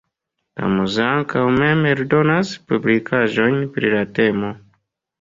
La muzeo ankaŭ mem eldonas publikaĵojn pri la temo.